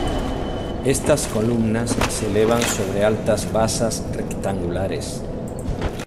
Estas columnas se elevan sobre altas basas rectangulares.